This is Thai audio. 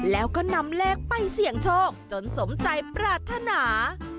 แล้วก็นำเลขไปเสี่ยงโชคจนสมใจปรารถนา